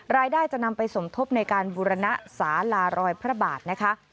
รายได้จะนำไปสมทบในการบุรณะสาลารอยพระบาทนะคะ